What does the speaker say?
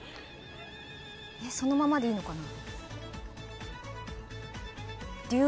そのままでいいのかな。